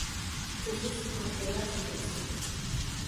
Шәызусҭоу ҳәа иасҳәозеи?